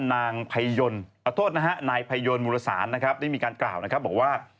ทางด้านนายภัยยนมุรสารนะครับได้มีการกล่าวนะครับบอกว่า